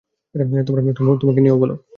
তোমাকে নিয়েও বলো।